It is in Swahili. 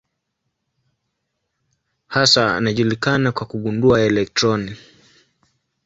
Hasa anajulikana kwa kugundua elektroni.